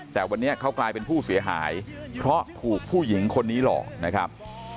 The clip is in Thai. แต่วันนี้เขากลายเป็นผู้เสียหายเพราะถูกผู้หญิงคนนี้หลอกนะครับ